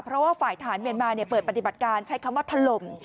เพราะว่าฝ่ายทหารเมียนมาเปิดปฏิบัติการใช้คำว่าถล่ม